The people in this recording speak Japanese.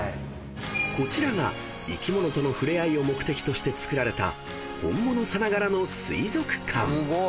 ［こちらが生き物との触れ合いを目的として造られたホンモノさながらの水族館］